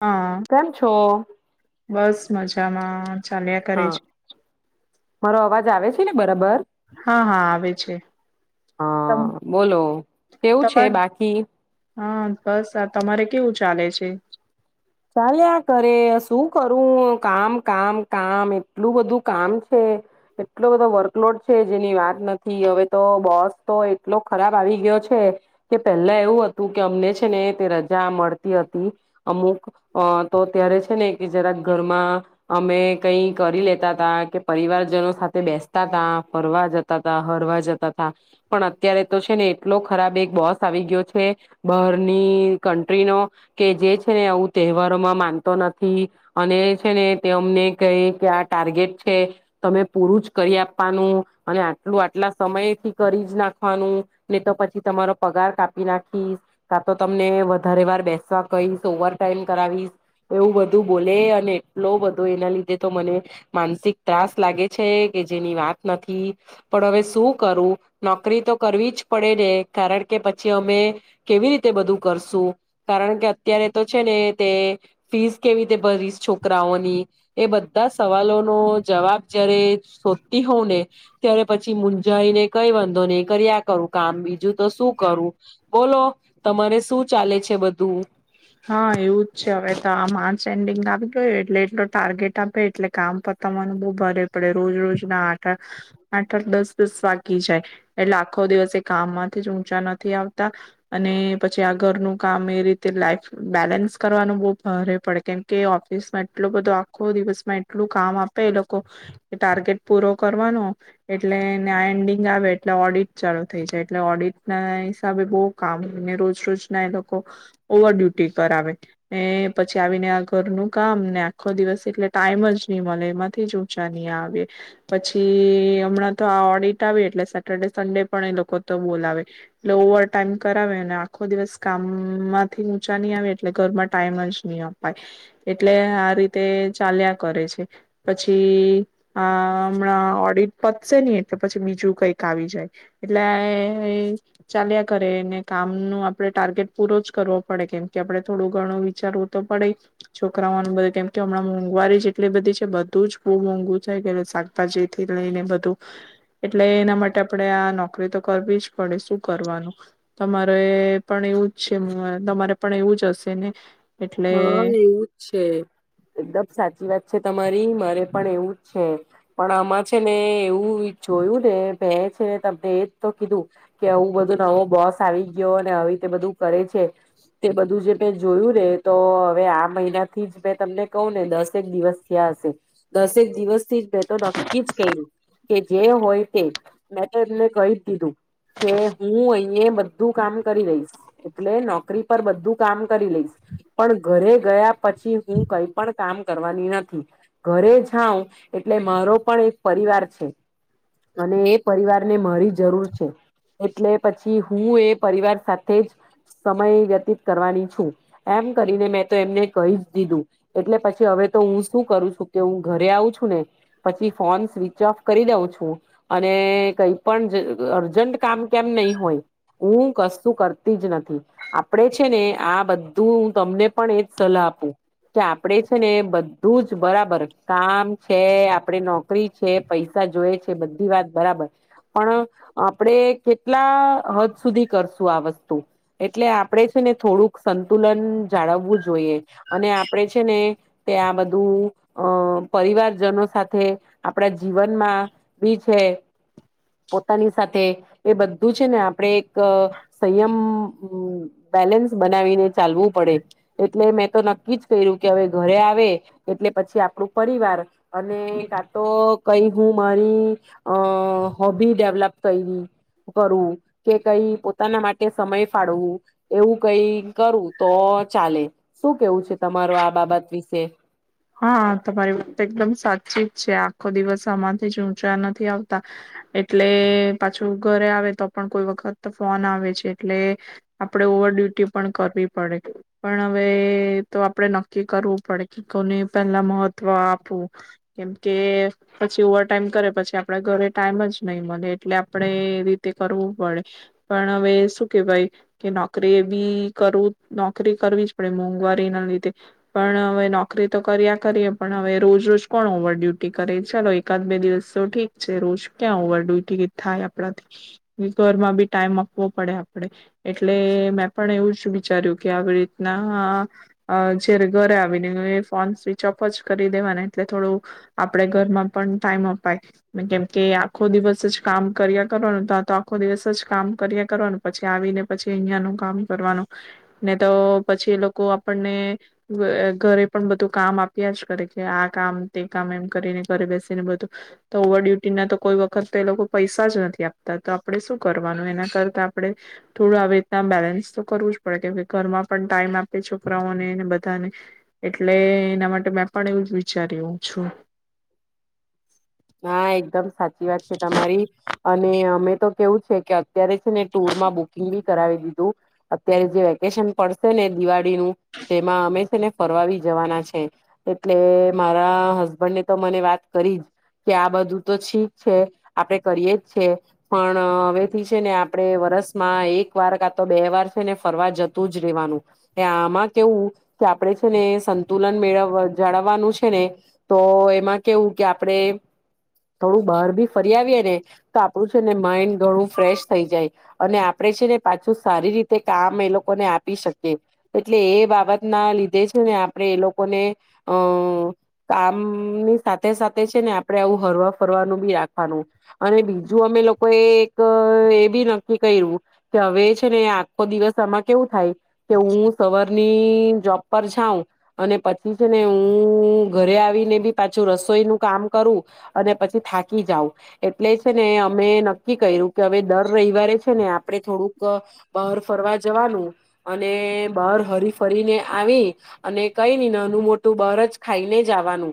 હા કેમ છો? બસ મજામાં. ચાલ્યા કરે હા, છે મારો અવાજ આવે છે ને બરાબર? હા હા આવે છે તમ હા બોલો કેવું તમાર છે બાકી હા, બસ આ તમારે કેવું ચાલે છે? ચાલિયા કરે શું કરું કામ કામ કામ એટલું બધું કામ છે એટલો બધો વર્કલોડ છે જેની વાત નથી હવે તો બોસ તો એટલો ખરાબ આવી ગયો છે કે પેલા એવું હતું કે અમને છે ને તે રજા મળતી હતી અમુક અ તો ત્યારે છે ને કે જરાક ઘરમાં, અમે કઈ કરી લેતા તા કે પરિવારજનો સાથે બેસતા તા ફરવા જતા તા હરવા જતા તા, પણ અત્યારે તો છે, ને એટલો ખરાબ એક બોસ આવી ગયો છે બહારની કન્ટ્રીનો કે જે છે ને આવું તહેવારોમાં માનતો નથી, અને છે ને તે અમને કહે કે આ ટાર્ગેટ છે, તમે પૂરું જ કરી આપવાનું, અને આટલું આટલા સમયથી કરી જ નાખવાનું, ને તો પછી તમારો પગાર કાપી નાખીશ, કા તો તમને વધારે વાર બેસવા કહીશ ઓવર ટાઈમ કરાવીશ, એવું બધું બોલે અને લો વધો એના લીધે તો મને, માનસિક ત્રાસ લાગે છે, કે જેની વાત નથી, પણ હવે શું કરું નોકરી તો કરવી જ પડે ને કારણ કે પછી અમે, કેવી રીતે બધું કરશું, કારણ કે અત્યારે તો છે ને તે, ફીસ કેવી રીતે ભરીશ છોકરાઓની, એ બધા સવાલો નો જવાબ જયારે શોધતી હોઉ ને, ત્યારે પછી મુંઝાઈને કઈ વાંધો ને કરી આ કરું કામ બીજું તો શું કરું, બોલો તમારે શું ચાલે છે બધું? હા એવું જ છે હવે તો આમાંચ એન્ડિંગ આપ ગયો એટલે એટલો ટાર્ગેટ આપે એટલે કામ પ તમાનું બહુ ભારે પડે રોજ રોજ ના આઠ આઠ, આઠ દસ દસ વાગી જાય, એટલે આખો દિવસ એ કામમાંથી જ ઊંચા નથી આવતા, અને પછી આ ઘરનું કામ એ રીતે લાઈફ બેલેન્સ કરવાનું બહુ ભારે પડે કેમ કે ઓફિસમાં એટલો બધો આખો દિવસમાં એટલું કામ આપે એ લોકો, કે ટાર્ગેટ પૂરો કરવાનો, એટલેને આ એન્ડિંગ આવે એટલે ઓડિટ ચાલુ થઈ જાય એટલે ઓડિટ ના હિસાબે બહ કામ હોયને, રોજ રોજ ના એ લોકો ઓવર ડ્યુ કરાવે પછી આવીને આ ઘરનું કામ ને આખો દિવસ એટલે ટાઈમ જ નહી મળે એમાંથી જ ઊંચા નહી આવે પછી હમણાં તો આ ઓડિટ આવે એટલે સેટરડે સન્ડે પણ એ લોકો તો બોલાવે એટલે ઓવર ટાઈમ કરાવે આખો દિવસ કામમાંથી ચા નહી આવે એટલે ઘરમાં ટાઈમ જ નહી અપાય, એટલે આ રીતે ચાલ્યા કરે છે, પછી આ હમણાં ઓડિટ પતશે નહ એટલે પછી બીજું કંઈક આવી જાય એટલે ચાલ્યા કરે ને કામ ન આપડ ટાર્ગેટ પૂરો જ કરવો. પડે કેમ કે આપડે થોડું ઘણું વિચારવું તો પડે, છોકરાઓનું બધું કેમ કે હમણાં મોંઘવારી જેટલી બધી છે બધું જ બહુ મોંઘું થાય ગય શાકભાજીથી લઈને બધું, એટલે એના માટે આપડે આ નોકરી તો કરવી જ પડે શું કરવાનું, તમારે પણ એવું જ છે. તમારે પણ એવું જ હશે ને એટલે હા એવું જ છે, એકદમ સાચી વાત છે. તમારી મારે પણ એવું જ છે, પણ આમાં છે ને એવું જોયું ને ભ છે ને તમને એજ તો કીધું, કે આવું બધું નવો બોસ આવી ગયો અને આવી તે બધું કરે છે, તે બધું જે મે જોયું ને તો હવે આ મહિના થી જ મેં તમને કહ ને દસેક દિવસ થયા હશે, દસેક દિવસ થી જ મેં તો નક્કી જ ક્યું કે જે હોય તે મેં તો એમને કહી જ દીધું કે હું અહી એ બધું કામ કરી લઈશ, એટલે નોકરી પર બધું કામ કરી લઈશ. પણ ઘરે ગયા પછી હું કઈ પણ કામ કરવાની નથી, ઘરે જાઉં એટલે મારો પણ એક પરિવાર છે, અને એ પરિવારને મારી જરૂર છે. એટલે પછી હું એ પરિવાર સાથે જ સમય વ્યતીત કરવાની છું. એમ કરીને મેં તો એમને કહી જ દીધું, એટલે પછી હવે તો હું શું કરું છું કે હું ઘરે આવું છું ને, પછી ફોન સ્વિચ ઓફ કરી દઉં છું અને કઈ પણ અર્જન્ટ કામ કેમ નહી હોય હું કશું કરતી જ નથી, આપણે છે ને આ બ તું હું તમને પણ એજ સલાહ આપું. કે આપડે છે ને બધ રુંજ બરાબર કામ છે આપડે નોકરી છે પૈસા જોય છે બધી વાત બરાબર. પણ આપણેે કેટલા હદ સુધી કરશું આ વસ્તુ? એટલે આપડે ને થોડુંક તુલન જાળવવું જોઈએ, અને આપડે છે ને, તે આ બધું અ પરિવારજનો સાથે, આપડા જીવનમાં બી છે, પોતાની સાથે એ બધું છે ને આપણે એક સંયમ બેલેન્સ બનાવીને ચાલવું પડે, એટલે મેં તો ન જ કર્યું કે હવે ઘરે આવે, એટલે પછી આપણું પરિવાર- અને કા તો કઈ હું મારી, અ હોબી ડેવલપ કરવી કરું કે કઈ પોતાના માટે સમય ફાળવું, એવું કઈ કરું. તો ચાલે, શું કેવું છે તમારો આ બાબત વિશે? હા તમારી વાત એકદમ સાચી જ છે આખો દિવસ આમાંથી જ ઊંચા નથી આવતા, એટલે પાછું ઘરે આવે તો પણ કોઈ વખત ફોન આવે છે એટલે, આપડ ઓવર ડ્યુટી પણ કરવી પડે, પણ હવે તો આપણેે નક્કી કરવું પડે પલા મહત્વ આપવું, કેમકે પછી ઓવર ટાઈમ કરે પછી આપણે ઘરે ટાઈમ જ નહી મળે, એટલે આપણે એ રીતે કરવું પડે, પણ હવે શું કેહેવાય કે નોકરી એ બી કરવું નોકરી કરવી જ પડે મોંઘવારી ના લીધે, પણ હવે નો ોકરી તો કર્યા કરીએ પણ હવે રોજ રોજ કોણ ઓવર ડ્યુટી કરે ચાલો એકાદ બે દિવસ તો ઠીક છે રોજ ક્યાં ઓવર ડ્યુટી થાય આપણાથી, ઘરમાં બી ટાઈમ આપવો પડે આપણે, એટલે મેં પણ એવું જ વિચાર્યું કે આવી રીતના જારે ઘરે આવીને ફોન સ્વિચ ઓફ જ કરી દેવાના એટલે થોડું, આપે ઘરમાં પણ ટાઈમ અપાય, કેમ કે આખો દિવસ જ કામ કર્યા કરવાનું ત તો આખો દિવસ જ કામ કર્યા કરવાનું પછી આવીને પછી અહિયાયાનું કામ કરવાનું, ને તો પછી એ લોકો આપણને ઘરે પણ બધું કામ આપ્યા જ કરે કે આ કામ તે કામ એમ કરીને ઘરે બેસીને બધું, તો ઓવર ડ્યુટીના તો કોઈ વખત તો એ લોકો પૈસા જ નથી આપતા તો આપણે શું કરવાનું એના કરતા આપણે, થોડું આવી રીતના બેલેન્સ તો કરવું જ પડે કે ઘરમાં પણ ટાઈમ આપે છોકરાઓને બધાને એટલે એના માટે મેં પણ એવું જ વિચાર્યું છું. હા એકદમ સાચી વાત છે તમારી, અને અમે તો કેવું છે કે આ અત્યારે છે ને ટુર માં બુકિંગ બ કરાવી દીધું, અત્યારે જે વેકેશન પડશે ને દિવાળીનું, તેમાં હમે છે ને ફરવાવી જવાના છે, એટલે મારા હસબન્ડ ને તો મને વાત કરી જ કે આ બધું તો છીક છે, આપડણે કરીએ જ છે પણ હવેથી છે ને આપણેે વરસમાં એક વાર કા તો બે વાર છે ને ફરવા જતું જ રહેેવાનું, આમાં કેવું કે આપણે છે ને સંતુલન મેળવ જાળવવાનું છે ને, તો એમાં કેવું કે આપણે થોડું બહાર ભી ફરી આવીએે ને, તો આપડું છે ને માઈન્ડ ઘણું ફ્રેશ થઈ જાય, અને આપડે છે ને પાછું સારી રીતે કામ એ લોકો લોકોને આપી શકે, એટલે એ બા બાબત ના લીધે છે ને આપણે એ લોકોને, અ કામ ની સાથે સાથે છે ને આપ આપ આવું હરવા ફરવાનું બી રાખવાનું, અને બીજું અમે લોકો એ એક એ નક્કી કર્યું કે હવે છે ને આખો દિવસ આમાં કેવું થાય કે હું સવારની જોબ પર જાઉં, અને પછી છે ને હું ઘરે આવીને બી પાછું રસોઈનું કામ કરું, અને પછી થાકી જઉ, એટલે છે ને અમે નક્કી કર્યું કે હવે દર રવિવારે છે ને આપ આપે થોડુંક, બહાર ફરવા જવાનું અને બહાર હરી ફરીને આવી, અને કઈ ન નાનું મોટું બહાર જ ખાઈને જવાનુ.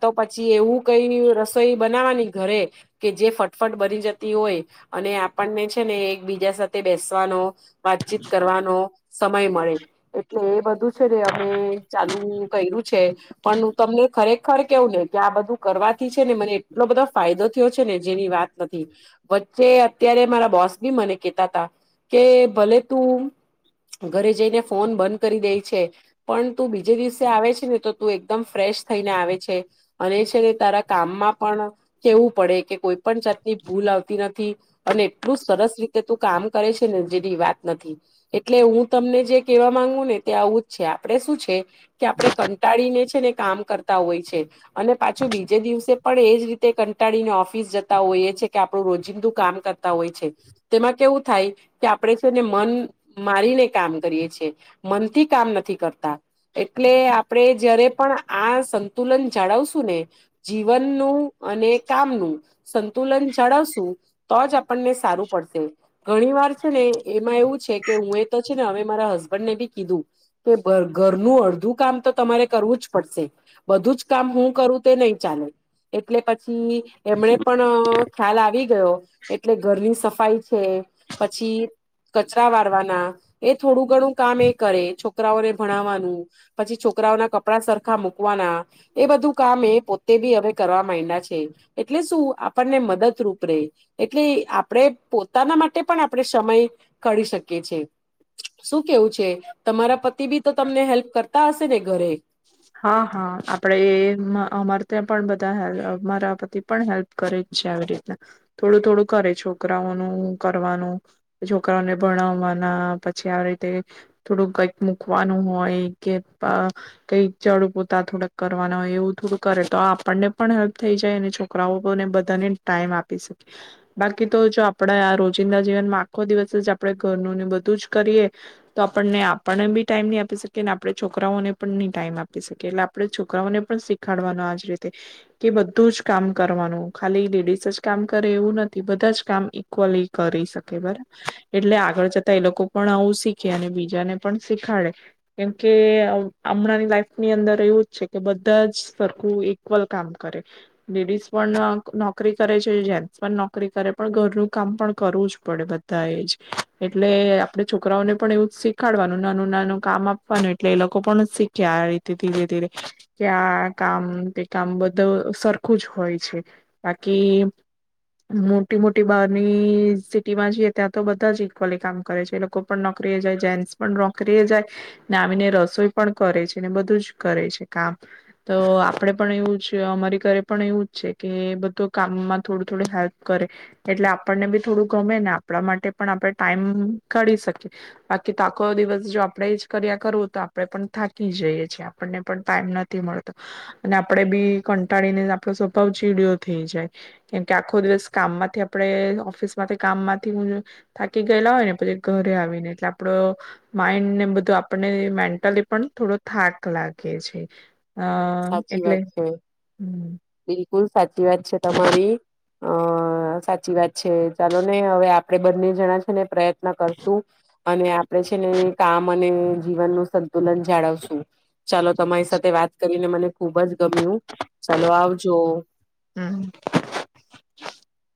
તો પછી એવું કઈ રસોઈ બનાવાની ઘરે, કે જે ફટફટ બની જતી હોય, અને આપણને છે ને એકબીજા સાથે બેસવાનો વાતચીત કરવાનો સમય મળે. એટલે એ બધું છે ને અમે ચાલુ કર્યું છે, પણ હું તમને ખરેખર કેવું ને કે આ બધું કરવાથી છે ને મને એટલો બધો ફાયદો થયો છે ને જેની વાત નથી, વચ્ચે ત્યારે મારા બોસ બી મને કેતા તા કે ભલે તું ઘરે જઈને ફોન બંધ કરી દે છે, પણ તું બીજે દિવસે આવે છે ને તો તું એકદમ ફ્રેશ થઈને આવે છે, અને છે તારા કામમાં પણ કેવું પડે કે કોઈ પણ જાતની ભૂલ આવતી નથી, અને એટલું સરસ રીતે તું કામ કરે છે ને જેની વાત નથી, એટલે હું તમને જે કેવા માંગવુ ને તે આવું જ છે આપડણે શું છે, કે આપણે કંટાળીને છે ને કામ કરતા હોય છે, અનેછ પણ એજ રીતે કંટાળીને ઓફિસ જતા હોઈએ છે કે આપણું રોજિંદુ કામ કરતા હોય છે, તેમાં કેવું થાય, કે આપણે છે ને મન મારીને કામ કરીએ છે, મનથી કામ નથી કરતા, એટલે આપણે જયારે પણ આ સંતુલન જાળવશું ને જીવન નું અને કામનું સંતુલન ચડવશું તો જ આપણને સારું પડશે ઘણી વાર છે ને એમાં એવું છે કે હું એ તો છે ને હવે મારા હસબન્ડને બી કીધું કે ઘરનું અડધું કામ તો તમારે કરવું જ પડશે બધું જ કામ હું કરું તે નહી ચાલે એટલે પછી. ની એમણે પણ ખ્યાલ આવી ગયો એટલે ઘરની સફાઈ છે પછી કચરા વારવાના એ થોડું ગણું કામ એ કરે છોકરાઓને ભણાવવાનું પછી છોકરાઓના કપડા સરખા મૂકવાના એ બધું કામ એ પોતે બી હવે કરવા માંડા છે એટલે શું આપણને મદદરૂપ રે એટલે આપણે પોતાના માટે પણ આપણે સમય કાઠી શકીએ છે શું કેવું છે તમારા પતિ બી તો તમને હેલ્પ કરતા હશે ને ઘરે હા હા આપડે એ અમાર ત્યાં પણ બધા હેલ્પ મારા પતિ પણ હેલ્પ કરે જ છે આવી રીતના થોડું થોડું કરે છોકરાઓનું કરવાનું છોકરાઓને ભણાવવાના પછી આવી રીતે થોડું કઈક મૂકવાનું હોય કે કઈ જાડુ પોતા થોડાક કરવાના હોય એવું થોડું કરે તો આપણને પણ હેલ્પ થઈ જાય અને છોકરાઓને બધાને ટાઈમ આપી શકે બાકી તો જો આપડા આ રોજિંદા જીવનમાં આખો દિવસ જ આપણે ઘરનુંને બધું જ કરીએ તો આપણને આપણને બી ટાઈમ નહી આપી શકીએ અને આપણે છોકરાઓને ટાઈમ આપી શકે એટલે આપણેે છોકરાઓને પણ શીખાડવાનું આજ રીતે કે બધું જ કામ કરવાનું ખાલી લેડીસ જ કામ કરે એવું નથી બધા જ કામ ઈક્વલી કરી શકે બરાબર એટલે આગળ જતા એ લોકો પણ આવું શીખે અને બીજાને પણ શીખાડે કેમકે હમણાંની લાઈફ ની અંદર એવું જ છે કે બધા જ સરખું ઇક્વલ કામ કરે લેડીઝ પણ નોકરી કરે છે જેન્ટ્સ પણ નોકરી કરે પણ ઘરનું કામ પણ કરવું જ પડે બધા એ જ એટલે આપે છોકરાઓને પણ એવું જ શીખાડવાનું નાનું નાનું કામ આપવાનું એટલે એ લોકો પણ શીખ આ રીતે ધીરે ધીરે કે આ કામ તે કામ બધું સરખું જ હોય છે બાકી મોટી મોટી બહારની સિટી માં જઈએ ત્યાં તો બધા જ ઈક્વલી કામ કરે છે લોકો પણ નોકરીએ જાય જેન્ટસ પણ નોકરીએ જાય ના આવીને રસોઈ. પણ કરે છે ને બધું જ કરે છે કામ તો આપણેે પણ એવું જ અમારી ઘરે પણ એવું જ છે કે બધું કામમાં થોડું થોડું હેલ્પ કરે એટલે આપણને બી થોડું ગમે ને આપણા માટે પણ આપણે ટાઈમ કાઢી શકે બાકી તોઆખ દિવસ જો આપણે જ કર્યા કરુંતા ઈ છી આપણને પણ ટાઈમ નથી મળતો અને આપડે બી કંટાળીને આપણો સ્વભાવ ચીડયો થઈ જાય કેમકે આખો દિવસ કામમાંથી આપણે ઓફિસ માંથી કામમાંથી હું થાકી ગયેલા હોય ને પછી ઘરે આવીને એટલે આપડ માઈન્ડ ને બધું આપને મે ટલી પણ થોડો થાક લાગે છે. હા સાચી એટલે વાત છે હમ બિલકુલ સાચી વાત છે તમારી અ સાચી વાત છે ચાલો ને હવે આપડે બંને જણા છે ને પ્રયત્ન કરશું અને આપે છે ને કામ અને જીવનનું સંતુલન જાળવશું ચાલો તમારી સાથે વાત કરીને મને ખુબ જ ગમ્યું ચાલો આવજો હમ